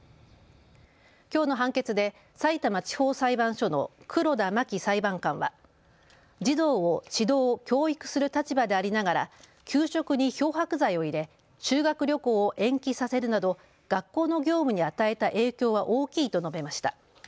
きょうの判決でさいたま地方裁判所の黒田真紀裁判官は児童を指導・教育する立場でありながら給食に漂白剤を入れ修学旅行を延期させるなど学校の業務に与えた影響は大きいと述べました。